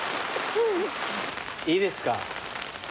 いいですか？